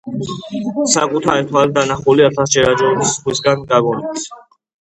საკუთარი თვალით დანახული ათასჯერ აჯობებს სხვისგან გაგონილს.